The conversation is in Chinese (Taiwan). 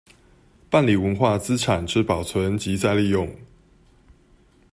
辦理文化資產之保存及再利用